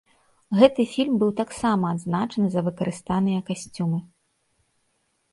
Гэты фільм быў таксама адзначаны за выкарыстаныя касцюмы.